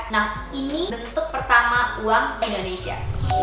nah ini untuk pertama uang indonesia